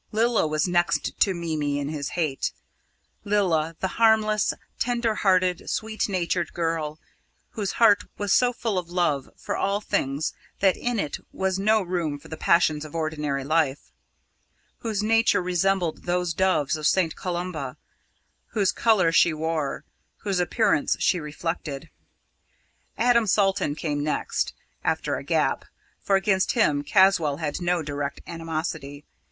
Lilla was next to Mimi in his hate Lilla, the harmless, tender hearted, sweet natured girl, whose heart was so full of love for all things that in it was no room for the passions of ordinary life whose nature resembled those doves of St. Columba, whose colour she wore, whose appearance she reflected. Adam Salton came next after a gap; for against him Caswall had no direct animosity.